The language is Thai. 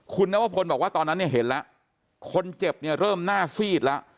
คุณนวพลบอกว่าตอนนั้นเนี่ยเห็นแล้วคนเจ็บเนี่ยเริ่มหน้าซีดแล้ว